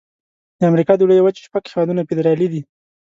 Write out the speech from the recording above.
د امریکا د لویې وچې شپږ هيوادونه فدرالي دي.